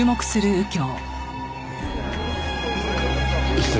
失礼。